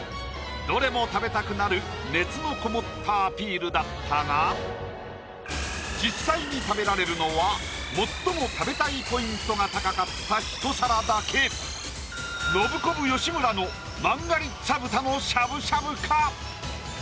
どれも食べたくなる熱のこもったアピールだったが実際に食べられるのは最も食べたいポイントが高かったひと皿だけ「ノブコブ」・吉村のマンガリッツァ豚のしゃぶしゃぶか？